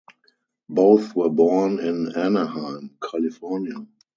Both were born in Anaheim, California.